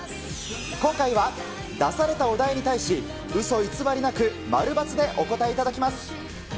今回は出されたお題に対し、うそ偽りなく〇×でお答えいただきます。